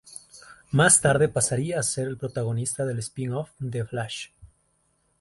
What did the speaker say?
Más tarde pasaría a ser el protagonista del spin off "The Flash".